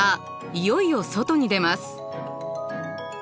いよいよ外に出ます。